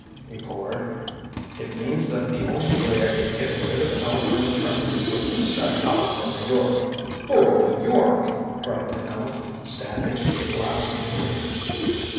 He poured. "It means that the only way I could get rid of our friend Trimmer was to set out for New York." "For New York?" cried Minot, standing glass in hand.